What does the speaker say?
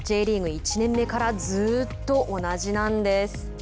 １年目からずっと同じなんです。